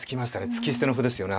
突き捨ての歩ですよね